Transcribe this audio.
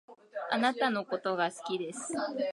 貴方のことが好きです